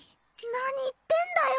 何言ってんだよ